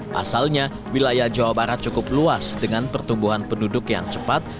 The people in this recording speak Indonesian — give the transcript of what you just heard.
pasalnya wilayah jawa barat cukup luas dengan pertumbuhan penduduk yang cepat